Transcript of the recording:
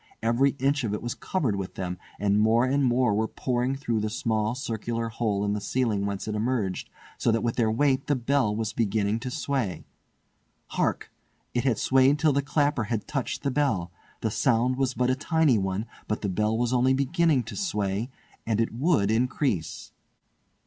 Every inch of it was covered with them, and more and more were pouring through the small circular hole in the ceiling whence it emerged, so that with their weight the bell was beginning to sway. Hark! it had swayed till the clapper had touched the bell. The sound was but a tiny one, but the bell was only beginning to sway, and it would increase.